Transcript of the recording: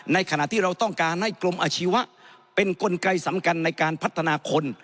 ขณะที่เราต้องการให้กรมอาชีวะเป็นกลไกสำคัญในการพัฒนาคน